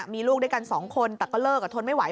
มีลูกด้วยกันสองคนแต่ก็เลิกทนไม่ไห